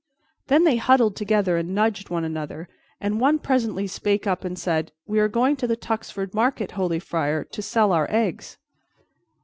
Then they huddled together and nudged one another, and one presently spake up and said, "We are going to the Tuxford market, holy friar, to sell our eggs."